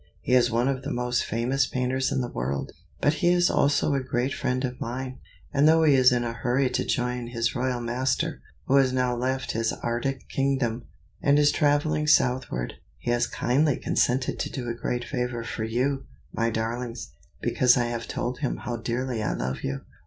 He is one of the most famous painters in the world, but he is also a great friend of mine; and though he is in a hurry to join his royal master, who has now left his Arctic kingdom, and is traveling southward, he has kindly consented to do a great favor for you, my darlings, because I have told him how dearly I love you."